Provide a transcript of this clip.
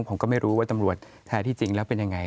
ผมก็ไม่รู้ว่าตำรวจแท้ที่จริงแล้วเป็นยังไง